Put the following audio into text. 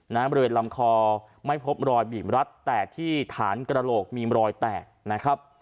น้ำปดเวรตรร้ำคอไม่พบรอยบีมรัดแตกที่ฐานกระโลกมีรอยแตก